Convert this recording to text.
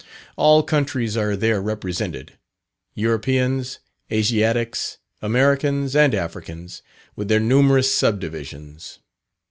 All countries are there represented Europeans, Asiatics, Americans and Africans, with their numerous subdivisions.